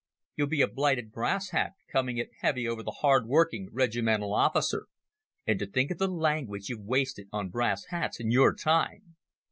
You'll be a blighted brass hat, coming it heavy over the hard working regimental officer. And to think of the language you've wasted on brass hats in your time!"